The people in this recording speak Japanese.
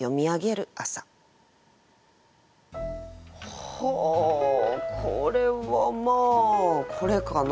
ほうこれはまあこれかな？